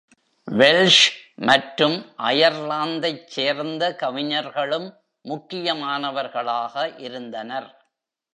Welsh மற்றும் ஐயர்லாந்தைச் சேர்ந்த கவிஞர்களும் முக்கியமானவர்களாக இருந்தனர்.